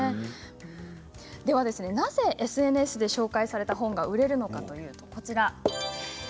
ではなぜＳＮＳで紹介された本が売れるのかというとこちらです。